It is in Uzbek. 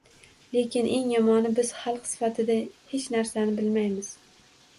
Lekin eng yomoni, biz, xalq sifatida, hech narsani bilmaymiz